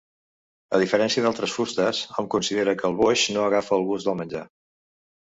A diferència d'altres fustes, hom considera que el boix no agafa el gust del menjar.